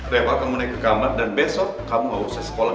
reva kamu naik ke kamar dan besok kamu gak usah sekolah